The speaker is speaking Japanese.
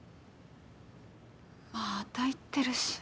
まーた言ってるし。